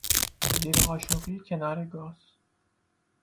زیر قاشقی کنار گاز